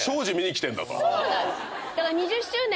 そうなんです！